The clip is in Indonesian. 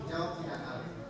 jawab tidak tahu